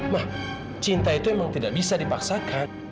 ma cinta itu emang tidak bisa dipaksakan